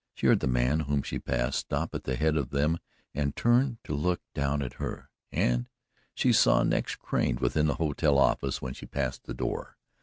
She heard the man, whom she passed, stop at the head of them and turn to look down at her, and she saw necks craned within the hotel office when she passed the door.